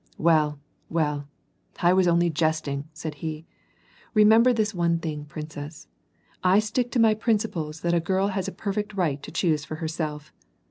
"Well, well, I was only jesting," said he. " Remember this one tiling, princess ; I stick to my principles that a girl has a perfect right to choose for herself.